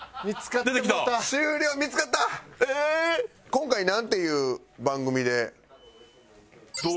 今回なんていう番組で？